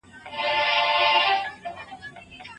د زده کوونکو د علمي کچې معلومولو لپاره کومې ازموینې اخیستل کیږي؟